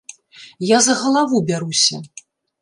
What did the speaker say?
Я за галаву бяруся.